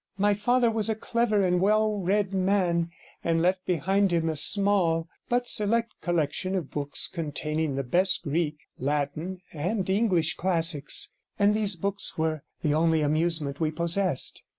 My father was a clever and well read man, and left behind him a small but select collection of books, containing the best Greek, Latin, and English classics, and these books were the only amusement we possessed.